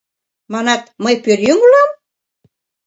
Манат: «Мый пӧръеҥ улам?..